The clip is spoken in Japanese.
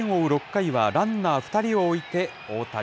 ６回は、ランナー２人を置いて大谷。